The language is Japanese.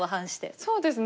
そうですね